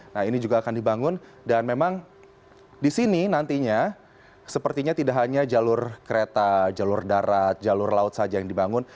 nah ini juga akan dibangun dan memang di sini nantinya sepertinya tidak hanya jalur kereta jalur darat jalur laut saja yang dibangun